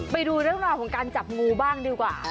ไปดูเรื่องราวของการจับงูบ้างดีกว่า